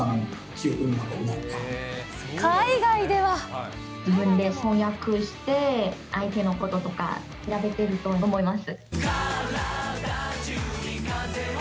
自分で翻訳して、相手のこととか調べていると思います。